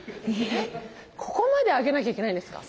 ここまで上げなきゃいけないんですか？